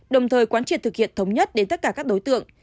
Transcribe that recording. đồng thời quán triệt thực hiện thống nhất đến tất cả các đối tượng